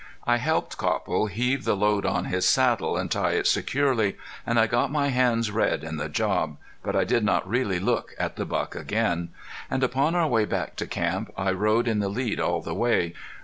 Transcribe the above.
I helped Copple heave the load on his saddle and tie it securely, and I got my hands red at the job, but I did not really look at the buck again. And upon our way back to camp I rode in the lead all the way.